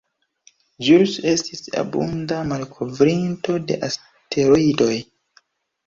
Juels estis abunda malkovrinto de asteroidoj.